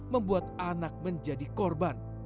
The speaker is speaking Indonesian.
membuat anak menjadi korban